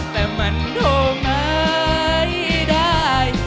แต่มันโทรไม่ได้